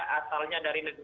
asalnya dari negara